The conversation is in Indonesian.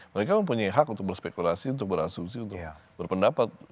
mereka mempunyai hak untuk berspekulasi untuk berasumsi untuk berpendapat